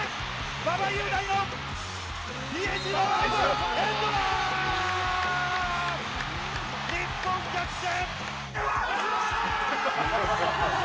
馬場雄大の、比江島慎、エンドワン！日本逆転。